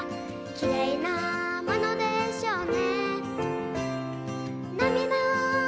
「きれいなものでしょうね」